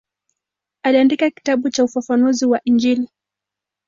Aliandika kitabu cha ufafanuzi wa Injili.